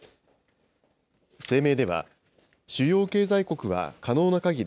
声明では、主要経済国は可能なかぎり